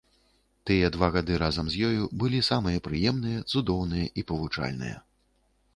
Тыя два гады разам з ёю былі самыя прыемныя, цудоўныя і павучальныя.